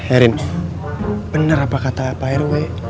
erin benar apa kata pak rw